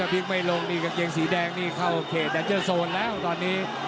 พลิกไม่ลงนี่กางเกงสีแดงนี่เข้าเขตแดนเจอร์โซนแล้วตอนนี้